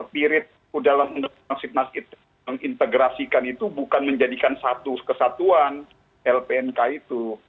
pirit ke dalam untuk mengintegrasikan itu bukan menjadikan satu kesatuan lpnk itu